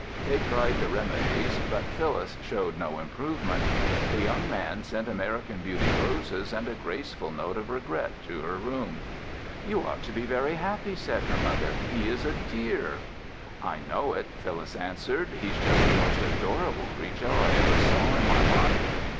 They tried the remedies, but Phyllis showed no improvement. The young man sent American Beauty roses and a graceful note of regret to her room. "You ought to be very happy," said her mother. "He is a dear." "I know it," Phyllis answered. "He's just the most adorable creature I ever saw in my life."